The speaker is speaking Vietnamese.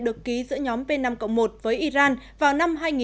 được ký giữa nhóm p năm một với iran vào năm hai nghìn một mươi